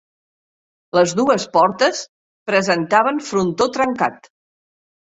Les dues portes presentaven frontó trencat.